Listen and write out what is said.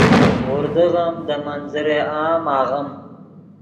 غوردغّیم دے منظر عام آغیم